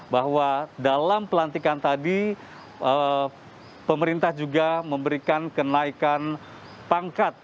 bahwa dalam pelantikan tadi pemerintah juga memberikan kenaikan pangkat